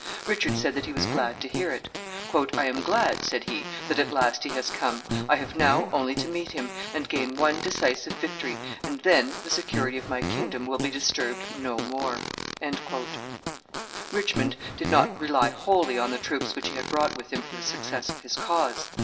Richard said that he was glad to hear it. "I am glad," said he, "that at last he has come. I have now only to meet him, and gain one decisive victory, and then the security of my kingdom will be disturbed no more." Richmond did not rely wholly on the troops which he had brought with him for the success of his cause.